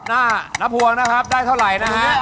หน้านับห่วงได้เท่าไหร่นะฮะ